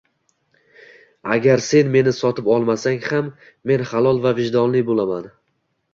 - Agar sen meni sotib olmasang ham men halol va vijdonli boʻlaman